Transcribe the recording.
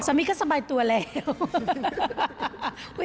สมมิตรก็สบายตัวแล้ว